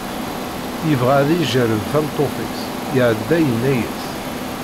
yebɣa ad d-ijerreb tameṭṭut-is, iɛedda yenna-as.